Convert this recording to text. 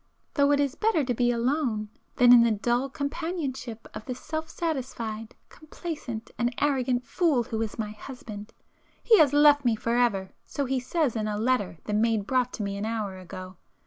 —though it is better to be alone than in the dull companionship of the self satisfied, complacent and arrogant fool who is my husband. He has left me for ever, so he says in a letter the maid brought to me an hour ago.